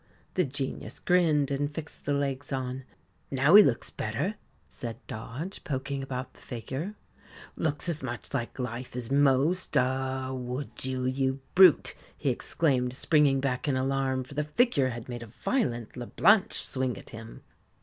The Genius grinned, and fixed the legs on. "Now he looks better," said Dodge, poking about the figure "looks as much like life as most ah, would you, you brute!" he exclaimed, springing back in alarm, for the figure had made a violent La Blanche swing at him.